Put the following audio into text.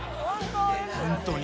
本当に。